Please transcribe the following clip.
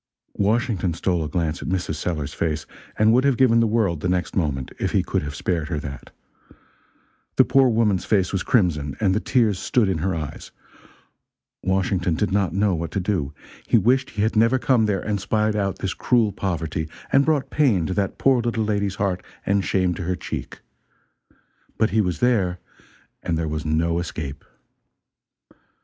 Washington stole a glance at Mrs. Sellers's face, and would have given the world, the next moment, if he could have spared her that. The poor woman's face was crimson, and the tears stood in her eyes. Washington did not know what to do. He wished he had never come there and spied out this cruel poverty and brought pain to that poor little lady's heart and shame to her cheek; but he was there, and there was no escape.